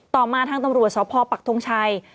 มาทางตำรวจสพปักทงชัย